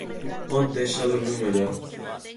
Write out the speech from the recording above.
Onte xa durmín mellor.